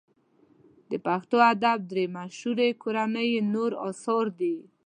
د پښتو ادب درې مشهوري کورنۍ یې نور اثار دي.